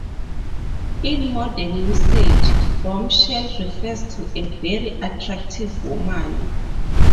In modern usage, bombshell refers to a very attractive woman.